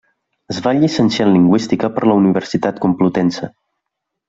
Es va llicenciar en Lingüística per la Universitat Complutense.